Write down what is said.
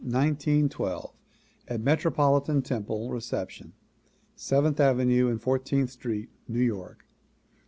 II May 28, 1912, at Metropolitan Temple (Reception), Seventh Avenue and Fourteenth Street, New York.